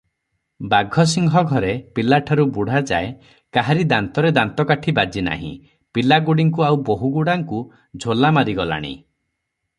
ବାଘସିଂହ ଘରେ ପିଲାଠାରୁ ବୁଢ଼ାଯାଏ କାହାରି ଦାନ୍ତରେ ଦାନ୍ତକାଠି ବାଜିନାହିଁ ; ପିଲାଗୁଡ଼ିଙ୍କୁ ଆଉ ବୋହୂଗୁଡ଼ାଙ୍କୁ ଝୋଲା ମାରିଗଲାଣି ।